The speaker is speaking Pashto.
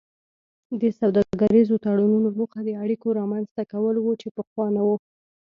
د سوداګریزو تړونونو موخه د اړیکو رامینځته کول وو چې پخوا نه وو